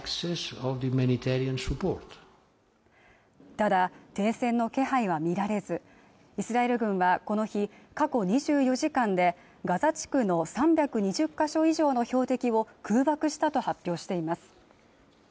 ただ停戦の気配は見られずイスラエル軍はこの日過去２４時間でガザ地区の３２０か所以上の標的を空爆したと発表しています